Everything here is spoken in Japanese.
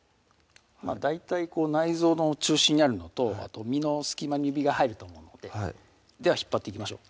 大体内臓の中心にあるのと身の隙間に指が入ると思うのででは引っ張っていきましょう